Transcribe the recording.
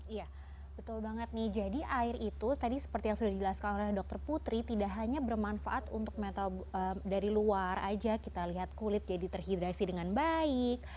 iya betul banget nih jadi air itu tadi seperti yang sudah dijelaskan oleh dokter putri tidak hanya bermanfaat untuk mental dari luar aja kita lihat kulit jadi terhidrasi dengan baik